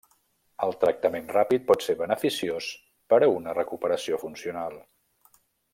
El tractament ràpid pot ser beneficiós per a una recuperació funcional.